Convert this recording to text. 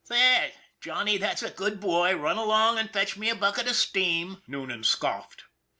" There, Johnny, that's a good boy, run along and fetch me a bucket of steam," Noonan scoffed.